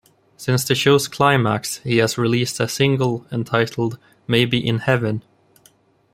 Since the show's climax, he has released a single entitled "Maybe In Heaven".